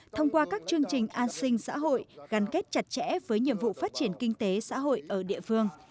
thông qua các chương trình an sinh xã hội gắn kết chặt chẽ với nhiệm vụ phát triển kinh tế xã hội ở địa phương